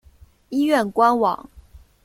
医院官网